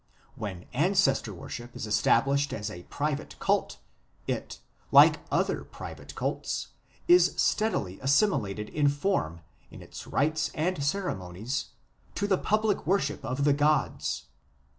... When Ancestor worship is established as a private cult, it, like other private cults, is steadily assimilated in form, in its rites and ceremonies, to the public worship of the gods.